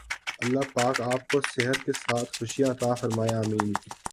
اللہ پاک آپ کو صحت کے ساتھ خوشیاں عطا فرمائے آمین